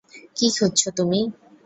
কী খুঁজছ তুমি?